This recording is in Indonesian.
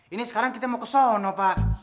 ini sekarang kita mau ke sono pak